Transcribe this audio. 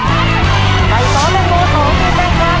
พร้อมเจอสิ่งให้เรียนเลยนะครับ